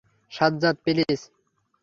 Sajjad, please.